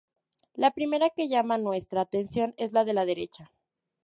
La primera que llama nuestra atención es la de la derecha.